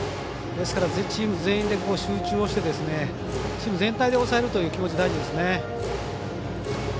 チーム全員で集中をしてチーム全体で抑えるという気持ち大事ですね。